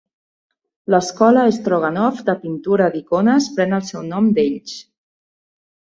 L'Escola Stroganov de pintura d'icones pren el seu nom d'ells.